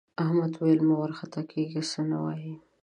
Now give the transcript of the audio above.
احمد وویل مه وارخطا کېږه څه نه وايي.